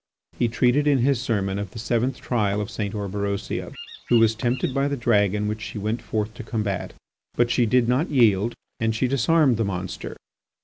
He treated in his sermon of the seventh trial of St. Orberosia, who was tempted by the dragon which she went forth to combat. But she did not yield, and she disarmed the monster.